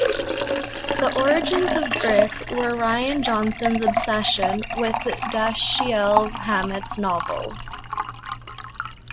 The origins of "Brick" were Rian Johnson's obsessions with Dashiell Hammett's novels.